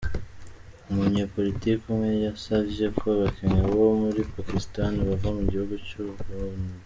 Umunyepolitike umwe, yasavye ko abakinyi bo muri Pakistan bava mu gihugu c’Ubuhindi.